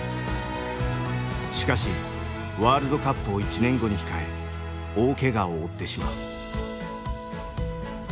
しかしワールドカップを１年後に控え大けがを負ってしまう。